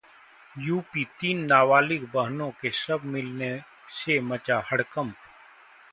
UP तीन नाबालिग बहनों के शव मिलने से मचा हड़कंप